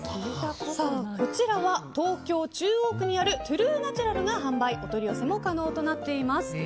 こちらは東京・中央区にあるＴＲＵＥＮＡＴＵＲＡＬが販売お取り寄せも可能となっています。